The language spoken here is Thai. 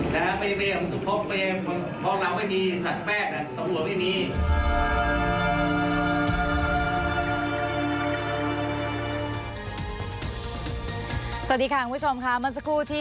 ส่วนก็หายไอ้ทรมานสัตว์อะไรอย่างนี้ต้องไปสอบหมอว่าลักษณะนี้